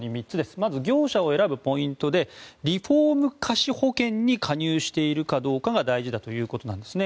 まず業者を選ぶポイントでリフォーム瑕疵保険に加入しているかどうかが大事だということなんですね。